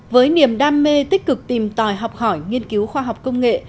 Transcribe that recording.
với niềm đam mê tích cực tìm tòi học hỏi nghiên cứu khoa học công nghệ